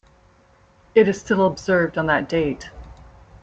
It is still observed on that date.